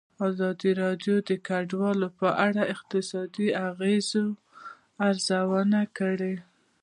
ازادي راډیو د کډوال په اړه د اقتصادي اغېزو ارزونه کړې.